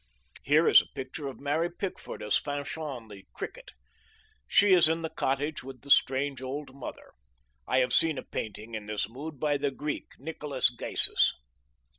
Here is a picture of Mary Pickford as Fanchon the Cricket. She is in the cottage with the strange old mother. I have seen a painting in this mood by the Greek Nickolas Gysis.